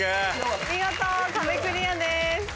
見事壁クリアです。